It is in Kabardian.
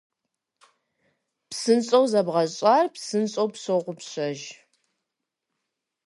Псынщӏэу зэбгъащӏэр псынщӏэу пщогъупщэж.